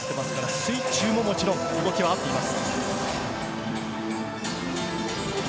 水中も、もちろん動きがあっています。